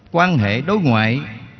quan hệ đối ngoại